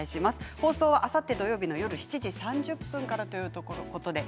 放送は、あさって土曜日の夜７時３０分からです。